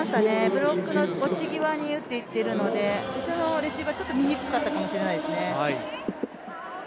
ブロックの落ち際に打っていってるので後ろのレシーバーがちょっと見にくかったかもしれないですね。